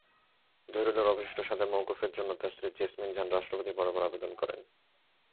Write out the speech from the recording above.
জহিরুলের অবশিষ্ট সাজা মওকুফের জন্য তাঁর স্ত্রী জেসমিন জাহান রাষ্ট্রপতি বরাবর আবেদন করেন।